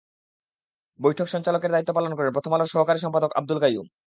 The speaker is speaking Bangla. বৈঠকে সঞ্চালকের দায়িত্ব পালন করেন প্রথম আলোর সহযোগী সম্পাদক আব্দুল কাইয়ুম।